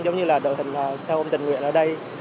giống như là đội hình xe ôm tình nguyện ở đây